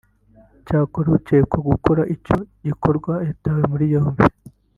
Icyakora ukekwaho gukora icyo gikorwa yatawe muri yombi